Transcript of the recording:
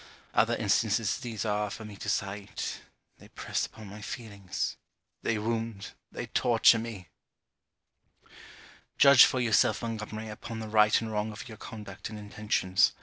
Other instances there are for me to cite: They press upon my feelings they wound they torture me! Judge for yourself, Montgomery, upon the right and wrong of your conduct and intentions.